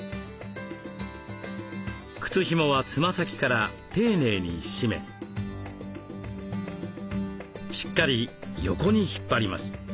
靴ひもはつま先から丁寧に締めしっかり横に引っ張ります。